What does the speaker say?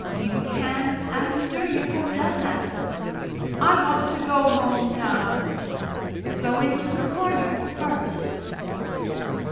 "You can after you have done that." "I want to go home now." "Go into the corner first."